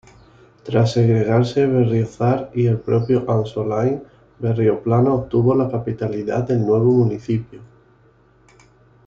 Tras segregarse Berriozar y el propio Ansoáin, Berrioplano obtuvo la capitalidad del nuevo municipio.